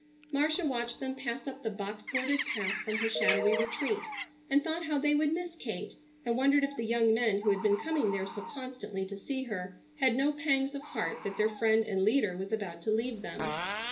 Marcia watched them pass up the box bordered path from her shadowy retreat, and thought how they would miss Kate, and wondered if the young men who had been coming there so constantly to see her had no pangs of heart that their friend and leader was about to leave them.